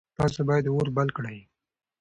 تاسو باید اور بل کړئ.